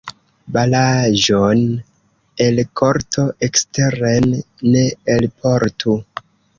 Balaaĵon el korto eksteren ne elportu.